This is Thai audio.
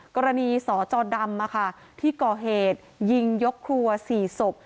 กรณีสจดำที่ก่อเหตุยิงยกครัว๔ศพ